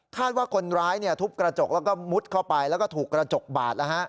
ว่าคนร้ายทุบกระจกแล้วก็มุดเข้าไปแล้วก็ถูกกระจกบาด